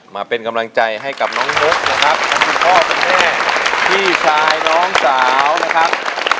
มาเป็นกำลังใจให้กับน้องนกนะครับทั้งคุณพ่อคุณแม่พี่ชายน้องสาวนะครับ